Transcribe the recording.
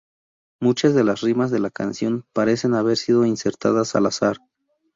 Muchas de las rimas de la canción parecen haber sido insertadas al azar.